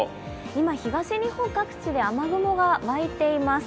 今、東日本各地で雨雲が湧いています。